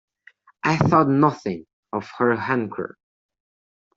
I thought nothing of her rancour.